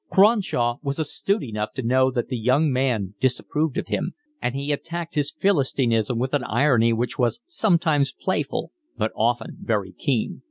Cronshaw was astute enough to know that the young man disapproved of him, and he attacked his philistinism with an irony which was sometimes playful but often very keen.